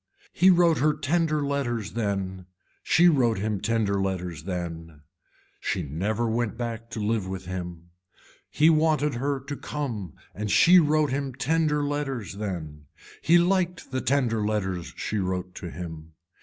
He wrote her tender letters then, she wrote him tender letters then, she never went back to live with him. He wanted her to come and she wrote him tender letters then. He liked the tender letters she wrote to him.